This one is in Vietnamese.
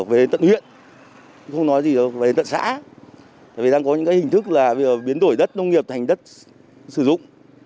về tận huyện không nói gì đâu về tận xã vì đang có những hình thức là biến đổi đất nông nghiệp thành đất sử dụng